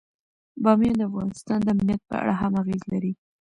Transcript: بامیان د افغانستان د امنیت په اړه هم اغېز لري.